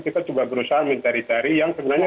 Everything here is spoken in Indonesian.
kita coba berusaha mencari cari yang sebenarnya